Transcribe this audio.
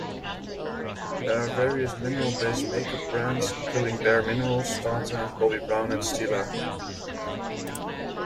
There are various mineral-based makeup brands, including: Bare Minerals, Tarte, Bobbi Brown, and Stila.